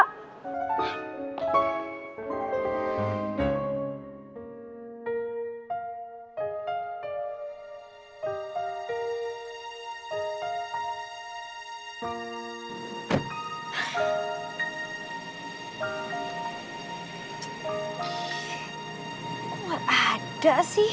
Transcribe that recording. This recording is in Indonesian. kok gak ada sih